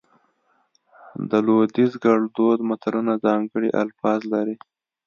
د لودیز ګړدود متلونه ځانګړي الفاظ لري